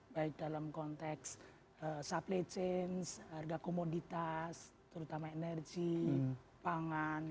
baik dalam konteks supply chain harga komoditas terutama energi pangan